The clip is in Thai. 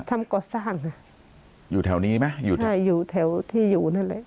ทำก่อสร้างอยู่แถวนี้ไหมใช่อยู่แถวที่อยู่นั่นแหละ